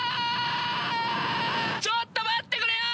ちょっと待ってくれよ！